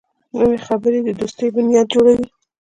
نوې خبرې د دوستۍ بنیاد جوړوي